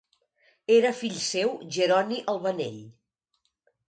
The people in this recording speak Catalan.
Era fill seu Jeroni Albanell.